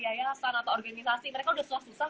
yayasan atau organisasi mereka sudah susah susah